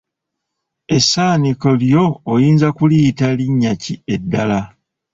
Essaaniiko lyo oyinza kuliyita linnya ki eddala?